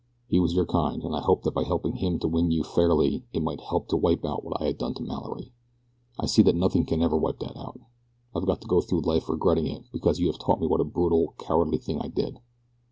He was your kind, and I hoped that by helping him to win you fairly it might help to wipe out what I had done to Mallory. I see that nothing ever can wipe that out. I've got to go through life regretting it because you have taught me what a brutal, cowardly thing I did.